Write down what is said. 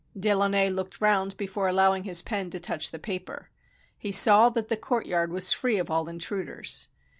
De Launay looked round be fore allowing his pen to touch the paper. He saw that the courtyard was free of all intruders.